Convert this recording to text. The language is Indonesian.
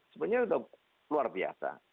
sebenarnya itu luar biasa